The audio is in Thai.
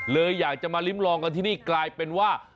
อยากจะมาลิ้มลองกันที่นี่กลายเป็นว่า